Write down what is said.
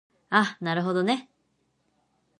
あなるほどね